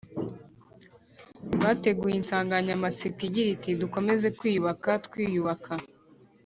bateguye insangamatsiko igira iti dukomeze kwiyubaka twiyubaka